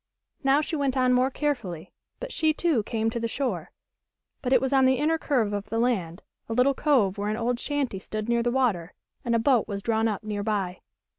Now she went on more carefully, but she, too, came to the shore; but it was on the inner curve of the land, a little cove where an old shanty stood near the water, and a boat was drawn up near by.